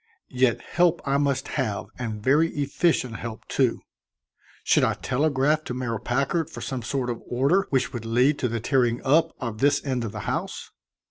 Yet help I must have and very efficient help, too. Should I telegraph to Mayor Packard for some sort of order which would lead to the tearing up of this end of the house?